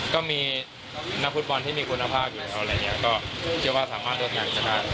ก็มีนักฟฟูแบลน์ที่มีกุญแภกอยู่อะไรเงี้ยก็เชื่อว่าสามารถรถอย่างสถาน